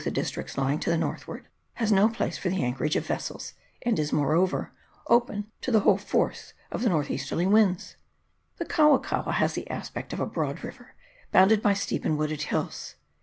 259 the districts lying to the northward, has no place for the anchorage of vessels, and is, moreover, open to the whole force of the north easterly winds. The Kaua kaua has the aspect of a broad river, bounded by steep and wooded hills.